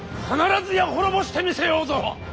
必ずや滅ぼしてみせようぞ！